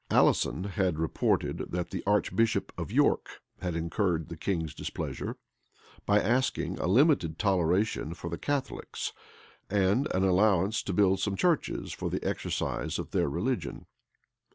Allison had reported, that the archbishop of York had incurred the king's displeasure, by asking a limited toleration for the Catholics, and an allowance to build some churches for the exercise of their religion.